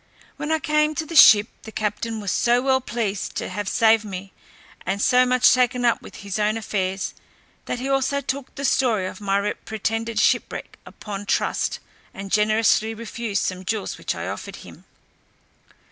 When I came to the ship, the captain was so well pleased to have saved me, and so much taken up with his own affairs, that he also took the story of my pretended shipwreck upon trust, and generously refused some jewels which I offered him.